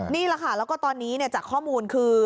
นี่แหละค่ะแล้วก็ตอนนี้จากข้อมูลคือ